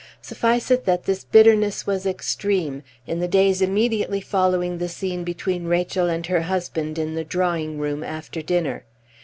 Suffice it that this bitterness was extreme in the days immediately following the scene between Rachel and her husband in the drawing room after dinner.